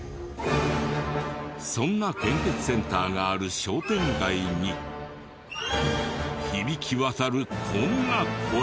そんな献血センターがある商店街に響き渡るこんな声。